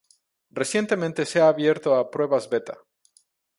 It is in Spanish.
Recientemente se ha abierto a pruebas beta.